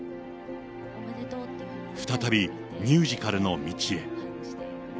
再びミュージカルの道へ。